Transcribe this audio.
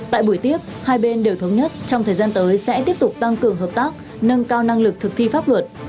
tại buổi tiếp hai bên đều thống nhất trong thời gian tới sẽ tiếp tục tăng cường hợp tác nâng cao năng lực thực thi pháp luật